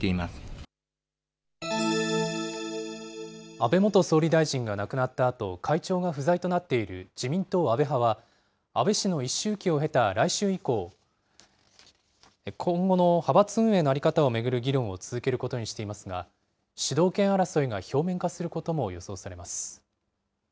安倍元総理大臣が亡くなったあと、会長が不在となっている自民党安倍派は、安倍氏の一周忌を経た来週以降、今後の派閥運営の在り方を巡る議論を続けることにしていますが、主導権争いが表面化することも予想されます。